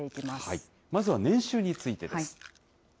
まずは年収についてです。